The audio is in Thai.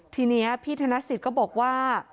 ทีนี้พี่ถนักศิษย์ก็บอกว่า